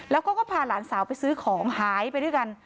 แล้วก็พาหลานสาวไปซื้อของหายไปด้วยกัน